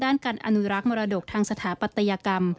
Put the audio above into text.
ด้านการอนุรักษ์มรดกทางสถาปัตยกรรม